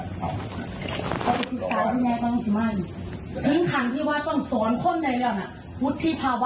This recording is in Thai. อัตตามาก็ยอมรับว่าอัตตามาอาจจะใช้แบบ